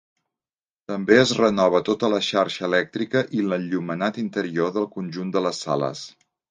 També es renova tota la xarxa elèctrica i l'enllumenat interior del conjunt de les sales.